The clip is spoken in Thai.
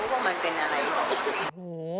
แล้วก็บอกสูตรเข้าไปใหม่เขาก็ทำไม่ได้อยู่ดี